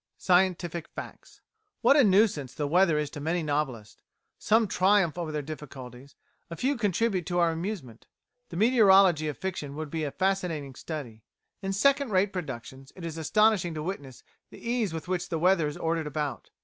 Scientific Facts What a nuisance the weather is to many novelists. Some triumph over their difficulties; a few contribute to our amusement. The meteorology of fiction would be a fascinating study. In second rate productions, it is astonishing to witness the ease with which the weather is ordered about.